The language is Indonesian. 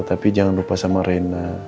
tapi jangan lupa sama rena